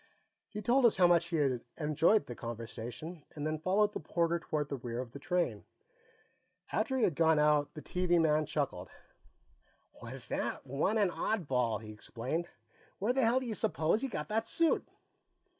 He told us how much he had enjoyed the conversation, and then followed the porter toward the rear of the train. After he had gone out, the TV man chuckled. "Was that one an oddball!" he exclaimed. "Where the hell do you suppose he got that suit?"